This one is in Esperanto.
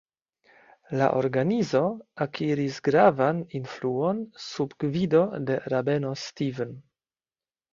La organizo akiris gravan influon sub gvido de rabeno Stephen.